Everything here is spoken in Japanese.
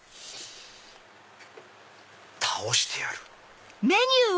倒してやる。